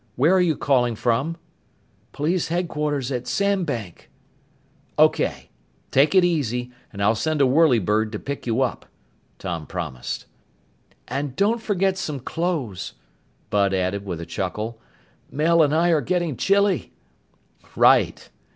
Where are you calling from?" "Police headquarters at Sandbank." "Okay. Take it easy, and I'll send a whirlybird to pick you up," Tom promised. "And don't forget some clothes," Bud added with a chuckle. "Mel and I are getting chilly." "Right!"